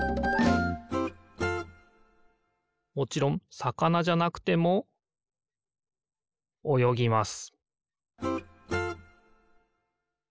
もちろんさかなじゃなくてもおよぎます